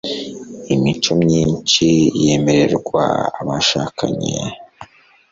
imico myinshi yemererwa abashakanye